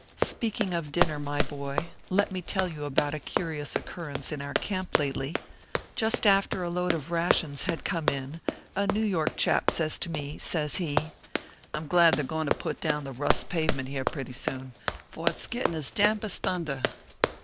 Speaking of dinner, my boy ; let me tell you about a curious occurrence in our camp lately. Just after a load of rations had come in, a New York chap says to me, says he : "I m glad they re going to put down the Kuss pavement here pretty soon ; for it s getting damp as thunder."